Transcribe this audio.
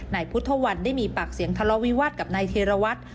นายพุทธวันได้มีปากเสียงทะเลาวิวาสกับนายธีรวัตร